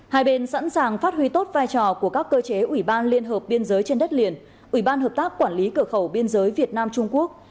hai bên sẵn sàng phát huy tốt vai trò của các cơ chế ủy ban liên hợp biên giới trên đất liền ủy ban hợp tác quản lý cửa khẩu biên giới việt nam trung quốc